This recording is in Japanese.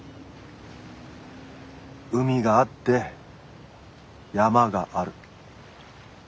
海があって山がある。